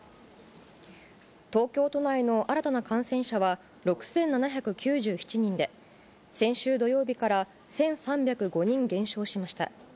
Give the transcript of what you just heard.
東京都内の新たな感染者は６７９７人で、先週土曜日から１３０５人減少しました。